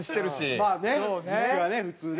まあね実況はね普通ね。